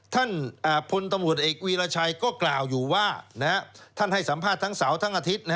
ท่านพลตำรวจเอกวีรชัยก็กล่าวอยู่ว่าท่านให้สัมภาษณ์ทั้งเสาร์ทั้งอาทิตย์